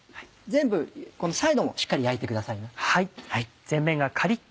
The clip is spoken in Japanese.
全部このサイドもしっかり焼いてくださいね。